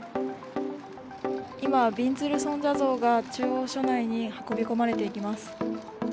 今、びんずる尊者像が中央署内に運び込まれていきます。